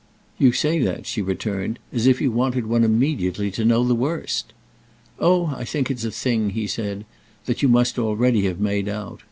"You say that," she returned, "as if you wanted one immediately to know the worst." "Oh I think it's a thing," he said, "that you must already have made out.